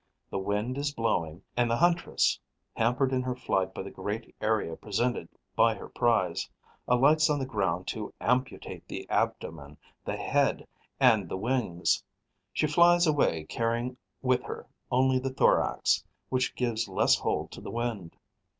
The wind is blowing; and the huntress, hampered in her flight by the great area presented by her prize, alights on the ground to amputate the abdomen, the head and the wings; she flies away, carrying with her only the thorax, which gives less hold to the wind.